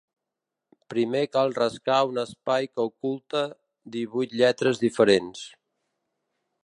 Primer cal rascar un espai que oculta divuit lletres diferents.